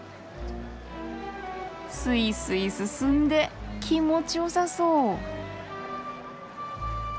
スイスイ進んで気持ちよさそう！